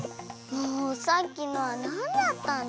もうさっきのはなんだったの？